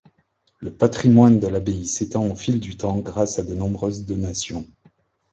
Le patrimoine de l'abbaye s'étend au fil du temps grâce à de nombreuses donations.